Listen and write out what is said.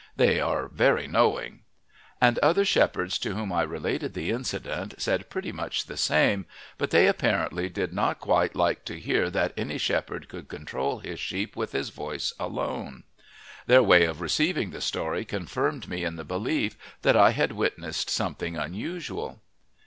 They are very knowing." And other shepherds to whom I related the incident said pretty much the same, but they apparently did not quite like to hear that any shepherd could control his sheep with his voice alone; their way of receiving the story confirmed me in the belief that I had witnessed something unusual.